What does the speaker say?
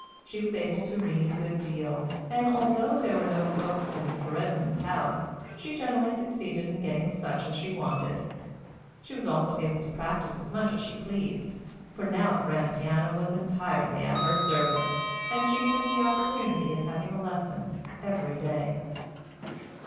She was able to read a good deal, and, although there were no books in Mr. Redmain's house, she generally succeeded in getting such as she wanted. She was able also to practice as much as she pleased, for now the grand piano was entirely at her service, and she took the opportunity of having a lesson every day.